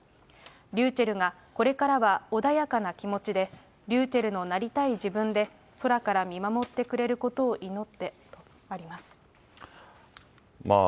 りゅうちぇるがこれからは穏やかな気持ちで、りゅうちぇるのなりたい自分で空から見守ってくれることを祈ってとあります。